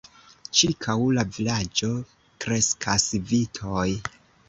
Ĉirkaŭ la vilaĝo kreskas vitoj.